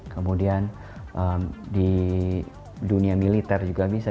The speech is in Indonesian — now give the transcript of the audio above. kemudian di dunia militer juga bisa